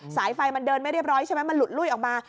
สายไฟมันเดินไม่เรียบร้อยใช่ไหมมันหลุดลุ้ยออกมา